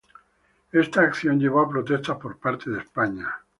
Esta acción llevó a protestas por parte de España.